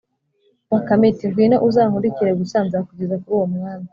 Bakame iti: "Ngwino, uzankurikire gusa, nzakugeza kuri uwo mwami